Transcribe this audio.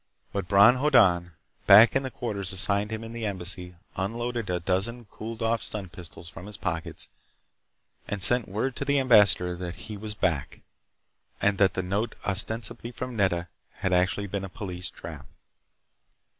But Bron Hoddan, back in the quarters assigned him in the Embassy, unloaded a dozen cooled off stun pistols from his pockets and sent word to the ambassador that he was back, and that the note ostensibly from Nedda had actually been a police trap.